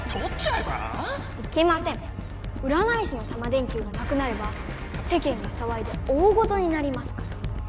うらない師のタマ電Ｑがなくなれば世間がさわいでおおごとになりますから。